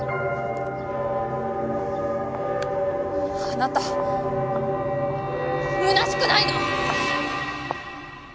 あなたむなしくないの！？